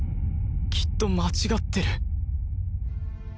きっと間違ってる